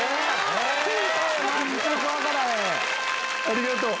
ありがとう。